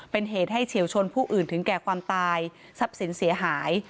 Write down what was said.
เป็นเหตุให้เฉียวชนผู้อื่นถึงแก่ความตายทรัพย์สินเสียหาย